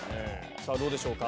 さぁどうでしょうか？